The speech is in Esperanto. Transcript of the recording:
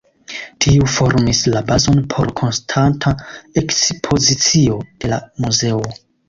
Tiu formis la bazon por konstanta ekspozicio de la muzeo.